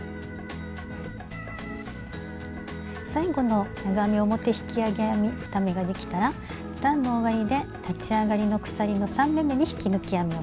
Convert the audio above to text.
最後の長編み表引き上げ編み２目ができたら段の終わりで立ち上がりの鎖の３目めに引き抜き編みをします。